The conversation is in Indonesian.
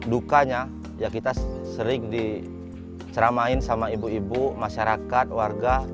dukanya ya kita sering diceramain sama ibu ibu masyarakat warga